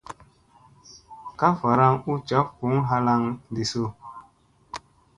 Ka varaŋ u njaf buŋ halaŋ ɗi su.